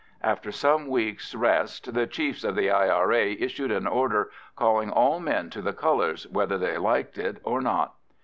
After some weeks' rest the chiefs of the I.R.A. issued an order calling all men to the colours, whether they liked it or not.